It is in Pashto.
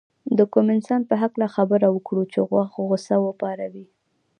د کوم انسان په هکله خبره وکړو چې غوسه وپاروي.